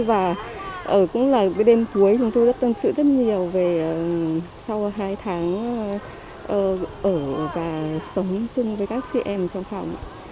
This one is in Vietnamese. và cũng là đêm cuối chúng tôi rất tâm sự rất nhiều về sau hai tháng ở và sống chung với các chị em trong phòng